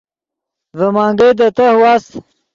ڤے منگئے دے تہہ واست